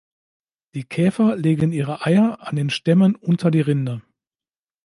Die Käfer legen ihre Eier an den Stämmen unter die Rinde.